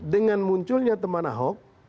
dengan munculnya teman ahok